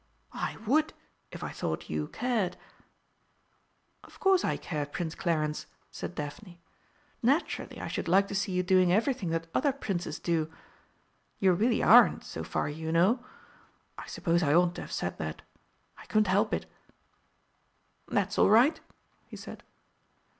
"I would, if I thought you cared." "Of course I care, Prince Clarence," said Daphne. "Naturally, I should like to see you doing everything that other Princes do. You really aren't, so far, you know. I suppose I oughtn't to have said that I couldn't help it." "That's all right," he said.